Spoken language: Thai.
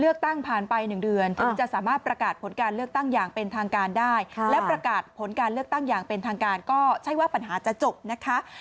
ผ่านไป๑เดือนถึงจะสามารถประกาศผลการเลือกตั้งอย่างเป็นทางการได้และประกาศผลการเลือกตั้งอย่างเป็นทางการก็ใช่ว่าปัญหาจะจบนะคะ